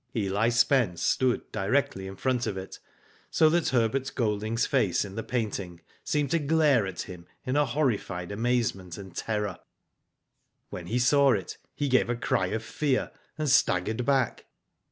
Eli Spence stood directly in front of it so that Herbert Golding's face in the painting seemed to glare at him in horrified amazement and terror. When he saw it he gave a cry of fear, and staggered back.